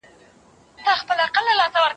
عزراییل به یې پر کور باندي مېلمه سي